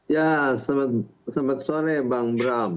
ya selamat sore bang bram